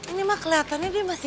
ini mah kelihatannya dia masih